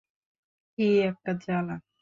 কি একটা জ্বালা!